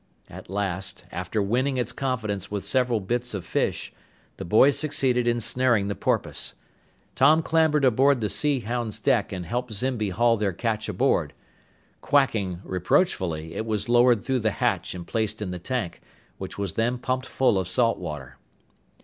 At last, after winning its confidence with several bits of fish, the boys succeeded in snaring the porpoise. Tom clambered onto the Sea Hound's deck and helped Zimby haul their catch aboard. "Quacking" reproachfully, it was lowered through the hatch and placed in the tank, which was then pumped full of salt water.